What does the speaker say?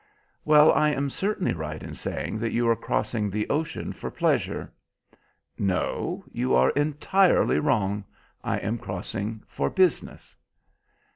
"Well, I am certainly right in saying that you are crossing the ocean for pleasure." "No, you are entirely wrong. I am crossing for business."